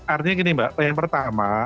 artinya gini mbak yang pertama